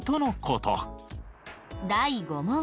第５問。